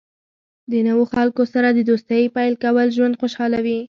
د نوو خلکو سره د دوستۍ پیل کول ژوند خوشحالوي.